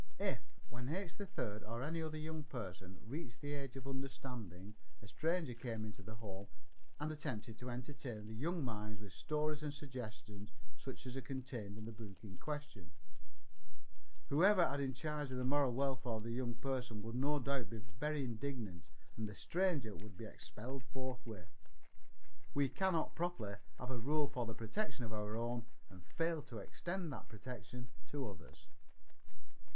"If, when H. 3rd or any other young person, reached the age of understanding a stranger came into the home and attempted to entertain the young mind with stories and suggestions such as are contained in the book in question, whoever had in charge the moral welfare of the young person would no doubt be very indignant and the stranger would be expelled forthwith. We cannot properly have a rule for the protection of our own and fail to extend that protection to others."